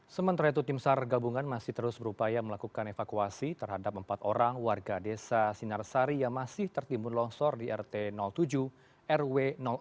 sementara itu tim sar gabungan masih terus berupaya melakukan evakuasi terhadap empat orang warga desa sinarsari yang masih tertimbun longsor di rt tujuh rw empat